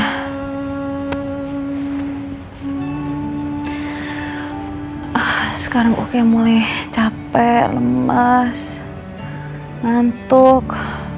ah sekarang oke mulai capek lemas ngantuk